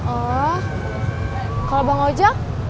oh kalau bang ojo